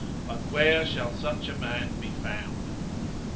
But where shall such a man be found?